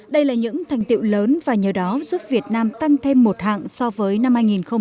đây là những thành tiệu lớn và nhờ đó giúp việt nam tăng thêm một hạng so với năm hai nghìn một mươi tám